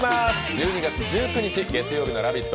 １２月１９日月曜日の「ラヴィット！」